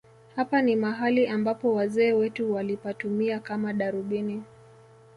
Hapa ni mahali ambapo wazee wetu walipatumia kama darubini